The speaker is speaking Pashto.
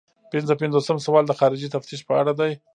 پنځه پنځوسم سوال د خارجي تفتیش په اړه دی.